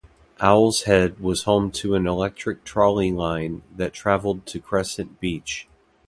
Owls Head was home to an electric trolley line that traveled to Crescent Beach.